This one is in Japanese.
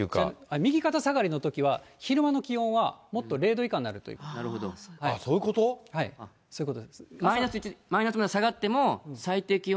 右肩下がりのときは、昼間の気温はもっと０度以下になるといそういうこと？